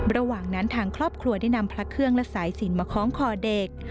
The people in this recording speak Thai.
ระหว่างนั้นทางครอบครัวได้นำพระเครื่องและสายสินมาคล้องคอเด็ก